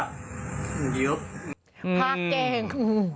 พากแก้ง